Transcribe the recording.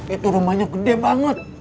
itu rumahnya gede banget